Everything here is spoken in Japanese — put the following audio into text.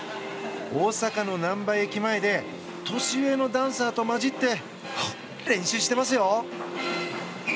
大阪の難波駅前で年上のダンサーと交じって練習していますよ！